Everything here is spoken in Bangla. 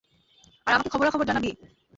আর আমাকে খবরাখবর জানাবি।